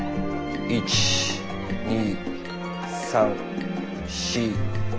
１２３４５。